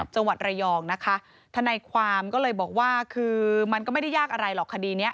จังหวัดระยองนะคะทนายความก็เลยบอกว่าคือมันก็ไม่ได้ยากอะไรหรอกคดีนี้